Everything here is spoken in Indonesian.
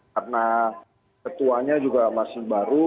karena ketuanya juga masih baru